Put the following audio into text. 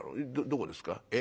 「どこですか。